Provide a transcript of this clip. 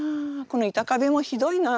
この板壁もひどいな。